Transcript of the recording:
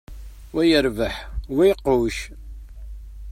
Wa yerbeḥ, wa iqucc.